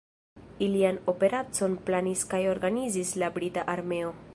Ilian operacon planis kaj organizis la brita armeo.